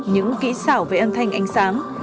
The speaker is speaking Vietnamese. những kỹ xảo về ân thanh ánh sáng